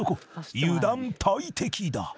油断大敵だ］